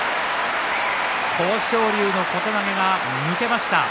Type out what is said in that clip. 豊昇龍の小手投げが抜けました。